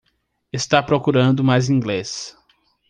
Está procurando mais inglês